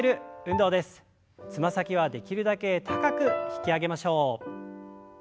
つま先はできるだけ高く引き上げましょう。